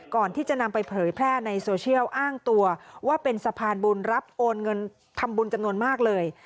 ก่อนที่จะนำไปเผยแพร่ในโซเชียลอ้างตัวว่าเป็นสะพานบุญรับโอนเงินทำบุญจำนวนมากเลย